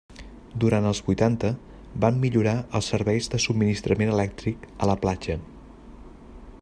Durant els vuitanta, van millorar els serveis de subministrament elèctric a la platja.